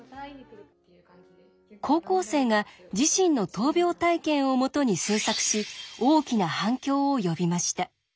高校生が自身の闘病体験をもとに制作し大きな反響を呼びました。